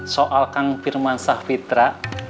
soal kang firman sahfitra